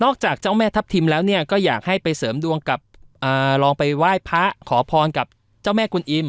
จากเจ้าแม่ทัพทิมแล้วเนี่ยก็อยากให้ไปเสริมดวงกับลองไปไหว้พระขอพรกับเจ้าแม่กุลอิม